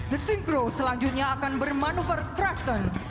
the synchro selanjutnya akan bermanufa tristan